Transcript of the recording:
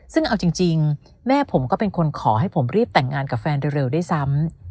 ซึ่งเอาจริงแม่ผมก็เป็นคนขอให้ผมรีบแต่งงานกับแฟนเร็วด้วยซ้ำ